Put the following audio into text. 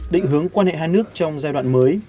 định hướng quan hệ hai nước trong giai đoạn mới